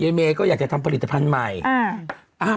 เมย์ก็อยากจะทำผลิตภัณฑ์ใหม่